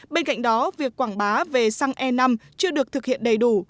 bên cạnh đó việc quảng bá về xăng e năm chưa được thực hiện đầy đủ